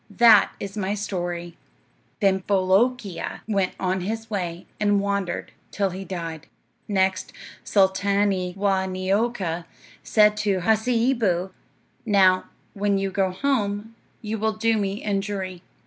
That is my story.' "Then Bolookeea went on his way, and wandered till he died." Next Sultaanee Waa Neeoka said to Hasseeboo, "Now, when you go home you will do me injury."